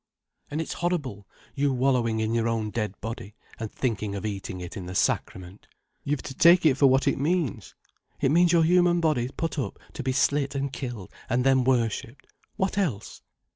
And it's horrible, you wallowing in your own dead body, and thinking of eating it in the Sacrament." "You've to take it for what it means." "It means your human body put up to be slit and killed and then worshipped—what else?"